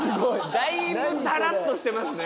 だいぶダラっとしてますね。